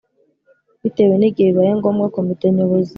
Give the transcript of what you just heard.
Bitewe nigihe bibaye ngombwa komite nyobozi